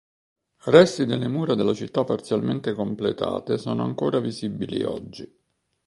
Resti delle mura della città parzialmente completate sono ancora visibili oggi.